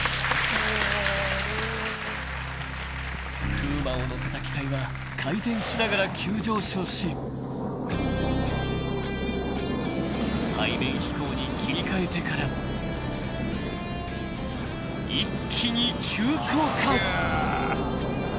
［風磨を乗せた機体は回転しながら急上昇し背面飛行に切り替えてから一気に急降下］